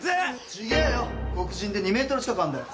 違えよ黒人で２ｍ近くあんだよ。